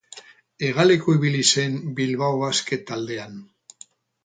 Hegaleko ibili zen Bilbao Basket taldean.